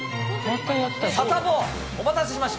サタボー、お待たせしました。